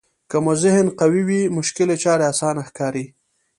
که مو ذهن قوي وي مشکلې چارې اسانه ښکاري.